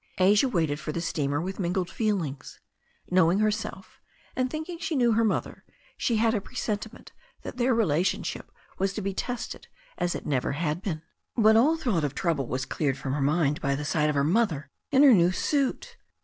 Asia waited for the steamer with mingled feelings. Know ing herself, and thinking she knew her mother, she had a. presentiment that their relationship was to be tested as it had never been. ITHE STORY OF A NEW ZEALAND RIVER 287 But all thought of trouble was cleared from her mind by the sight of her mother in her new suit.